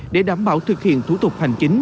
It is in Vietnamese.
để đảm bảo thực hiện thủ tục hành chính